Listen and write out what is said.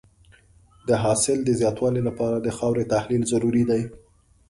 د حاصل د زیاتوالي لپاره د خاورې تحلیل ضروري دی.